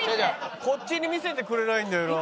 こっちに見せてくれないんだよな。